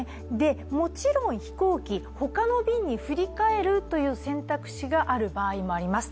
もちろん飛行機、他の便に振り替えるという選択肢がある場合もあります